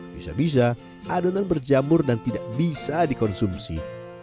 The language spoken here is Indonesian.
bisa bisa adonan berjamur dan tidak bisa dikonsumsi